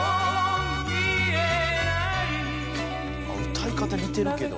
歌い方似てるけど。